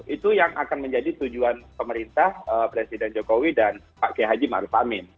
itu yang akan menjadi tujuan pemerintah presiden jokowi dan pak k h maruf amin